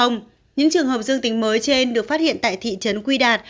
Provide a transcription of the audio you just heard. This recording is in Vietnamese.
những trường hợp dương tính mới trên được phát hiện tại thị trấn quy đạt